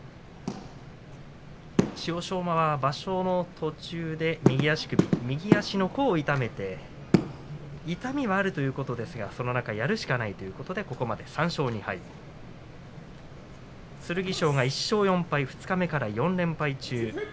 馬は場所の途中で右足の甲を痛めて痛みはあるということですが、その中やるしかないとここまで３勝２敗剣翔が１勝４敗二日目から４連敗中。